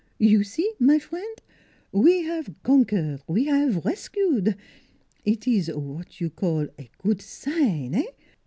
You see, my frien' ? We have conquer we have rescue. Eet ees what you call good sign eh?